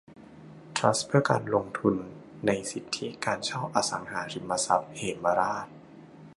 ทรัสต์เพื่อการลงทุนในสิทธิการเช่าอสังหาริมทรัพย์เหมราช